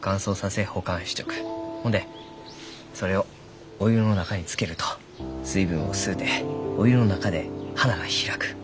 ほんでそれをお湯の中につけると水分を吸うてお湯の中で花が開く。